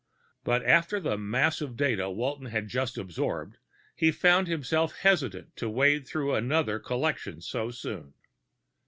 But after the mass of data Walton had just absorbed, he found himself hesitant to wade through another collection so soon.